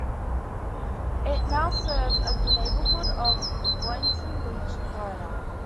It now serves as a neighborhood of Boynton Beach, Florida.